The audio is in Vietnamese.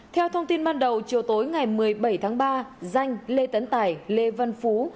theo thông tin ban đầu chiều tối ngày một mươi bảy tháng ba danh lê tấn tài lê văn phú